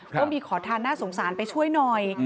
ว่ามีขอทานน่าสงสารไปช่วยหน่อย